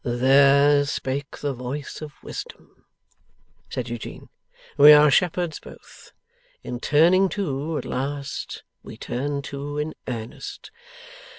'There spake the voice of wisdom,' said Eugene. 'We are shepherds both. In turning to at last, we turn to in earnest.